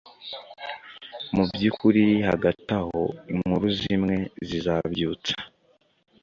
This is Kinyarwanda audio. Mubyukuri hagati aho inkuru zimwe zizabyutsa